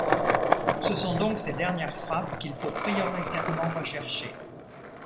Ce sont donc ces dernières frappes qu’il faut prioritairement rechercher.